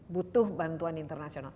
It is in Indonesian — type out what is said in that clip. butuh bantuan internasional